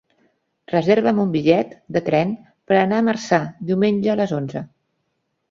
Reserva'm un bitllet de tren per anar a Marçà diumenge a les onze.